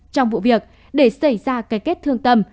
trong vụ việc để xảy ra cái kết thương tâm